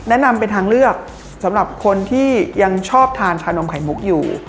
แนะนำเป็นทางเลือกสำหรับคนที่ยังชอบทานชานมไข่มุกอยู่